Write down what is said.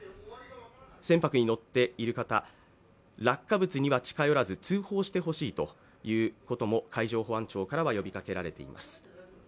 船舶に乗っている方、落下物には近寄らず通報してほしいということも海上保安庁からは呼びかけられています。